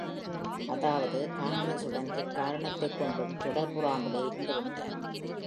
அதாவது காங்கிரசுடன் எக்காரணத்தைக் கொண்டும் தொடர்புறாமலே இருந்துவிட்டார்.